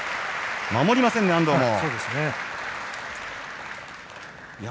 守りませんね、安藤も。